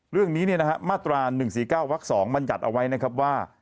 เรื่องนี้เนี่ยนะครับมาตรา๑๔๙เวลา๒มันจัดเอาไว้นะครับว่า